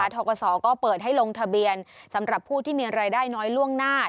ทกศก็เปิดให้ลงทะเบียนสำหรับผู้ที่มีรายได้น้อยล่วงหน้า